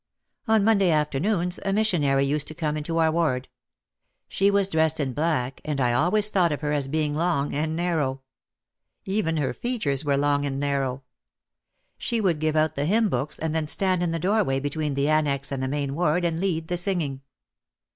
On Monday afternoons a missionary used to come into our ward. She was dressed in black and I always thought of her as being long and narrow. Even her features were long and narrow. She would give out the Hymn Books and then stand in the doorway between the annex and the main ward and lead the singing.